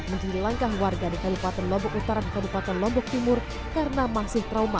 menjadi langkah warga di kabupaten lombok utara dan kabupaten lombok timur karena masih trauma